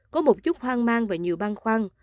có một chút hoang mang và nhiều băng khoang